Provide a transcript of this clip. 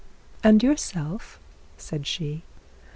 'And yourself,' said she.